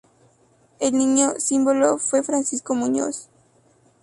El niño símbolo fue Francisco Muñoz.